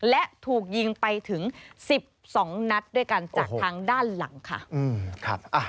และถูกยิงไปถึง๑๒นัดด้วยกันจากทางด้านหลังค่ะ